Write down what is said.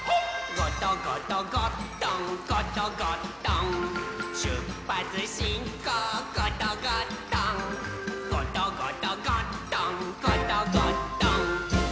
「ゴトゴトゴットンゴトゴットン」「しゅっぱつしんこうゴトゴットン」「ゴトゴトゴットンゴトゴットン」